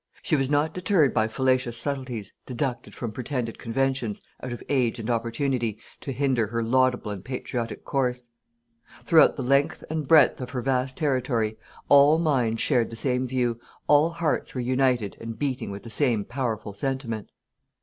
She was not deterred by fallacious subtilties, deducted from pretended conventions, out of age and opportunity, to hinder her laudable and patriotic course. Throughout the length and breadth of her vast territory, all minds shared the same view, all hearts were united and beating with the same powerful sentiment."